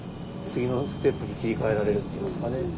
次のステップに切り替えられるっていうんですかね。